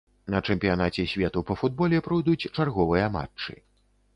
На чэмпіянаце свету па футболе пройдуць чарговыя матчы.